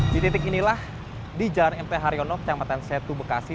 di titik inilah di jalan mt haryono kecamatan setu bekasi